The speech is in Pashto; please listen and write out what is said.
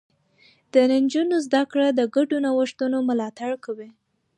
د نجونو زده کړه د ګډو نوښتونو ملاتړ کوي.